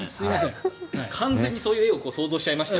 完全にそういう絵を想像しちゃいましたよ。